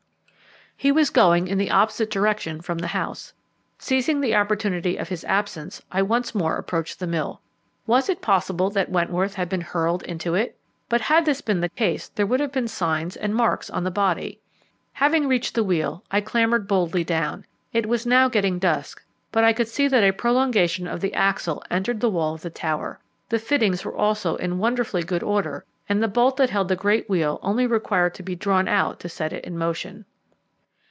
He was going in the opposite direction from the house. Seizing the opportunity of his absence, I once more approached the mill. Was it possible that Wentworth had been hurled into it? But had this been the case there would have been signs and marks on the body. Having reached the wheel, I clambered boldly down. It was now getting dusk, but I could see that a prolongation of the axle entered the wall of the tower. The fittings were also in wonderfully good order, and the bolt that held the great wheel only required to be drawn out to set it in motion.